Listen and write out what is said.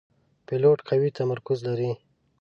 پیلوټ قوي تمرکز لري.